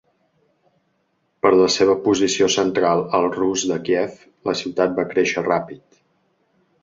Per la seva posició central al Rus de Kiev, la ciutat va créixer ràpid.